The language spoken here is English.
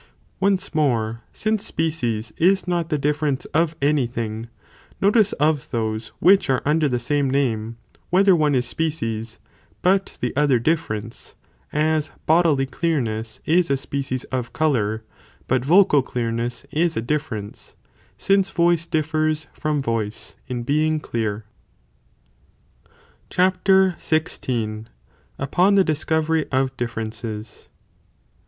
Once more, since species is not the difference of |,|. any thing,? notice of those which are under the one is species, same name, whether one is species, but the other, bit the other difference, as bodily clearness is a species of colour, but vocal (clearness) is a difference, since voice differs from voice, in being clears os Cuar. XVI.—Upon the Discovery of Differences.